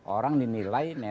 orang dinilai neta